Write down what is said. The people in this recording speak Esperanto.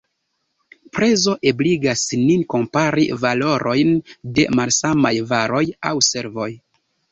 Prezo ebligas nin kompari valorojn de malsamaj varoj aŭ servoj.